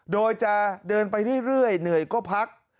โดยจะเดินไปเรื่อยเหนื่อยก็พัก